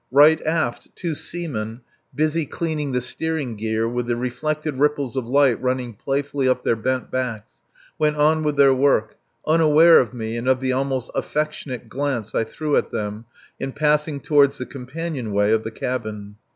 Right aft two seamen, busy cleaning the steering gear, with the reflected ripples of light running playfully up their bent backs, went on with their work, unaware of me and of the almost affectionate glance I threw at them in passing toward the companion way of the cabin.